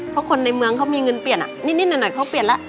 เพราะคนในเมืองเขามีเงินเปลี่ยนนิดหน่อยเขาเปลี่ยนแล้ว